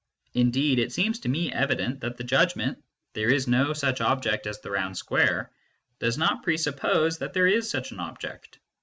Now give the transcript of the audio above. Indeed, it seems to me evident that the judgment t there is no such object as the round square"; does not presuppose that there is such an object.